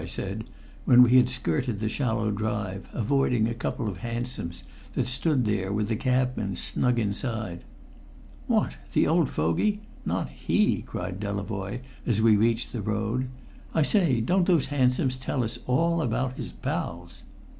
I said when we had skirted the shallow drive, avoiding a couple of hansoms that stood there with the cabmen snug inside. "What! The old fogey? Not he!" cried Delavoye as we reached the road. "I say, don't those hansoms tell us all about his pals!"